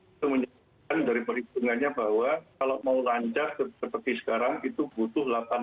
itu menjadikan dari perhitungannya bahwa kalau mau lancar seperti sekarang itu butuh delapan